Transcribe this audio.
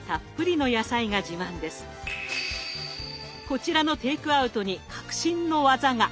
こちらのテイクアウトに革新の技が！